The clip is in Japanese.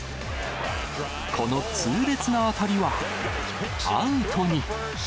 この痛烈な当たりはアウトに。